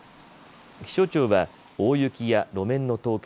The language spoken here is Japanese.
気象庁は大雪や路面の凍結